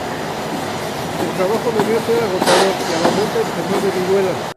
El trabajo debió ser agotador y a la vuelta enfermó de viruela.